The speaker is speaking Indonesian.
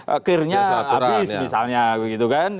akhirnya habis misalnya biasa aturan ya